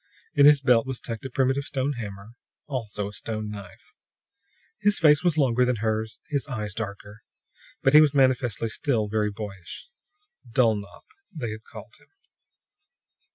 In his belt was tucked a primitive stone hammer, also a stone knife. His face was longer than hers, his eyes darker; but he was manifestly still very boyish. Dulnop, they had called him.